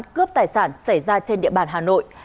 các vụ án cướp tài sản xảy ra trên địa bàn hà nội